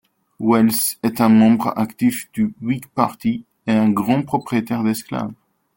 Wells est un membre actif du Whig Party, et un grand propriétaire d'esclaves.